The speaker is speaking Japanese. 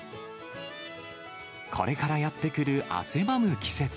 これからやって来る汗ばむ季節。